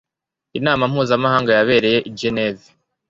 Inama mpuzamahanga yabereye i Geneve